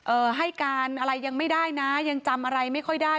ให้การอะไรยังไม่ได้นะยังจำอะไรไม่ค่อยได้